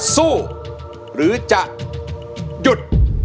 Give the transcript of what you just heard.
สู้หรือจะหยุด